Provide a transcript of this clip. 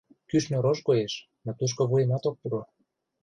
Кӱшнӧ рож коеш, но тушко вуемат ок пуро.